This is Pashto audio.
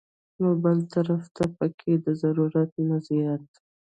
نو بل طرف ته پکښې د ضرورت نه زيات